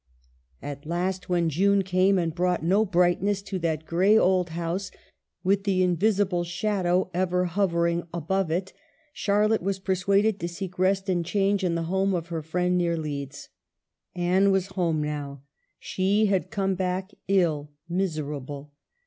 At last, when June came and brought no brightness to that gray old house, with the in visible shadow ever hovering above it, Charlotte was persuaded to seek rest and change in the home of her friend near Leeds. Anne was home now; she had come back ill, miserable.